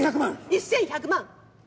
１，１００万。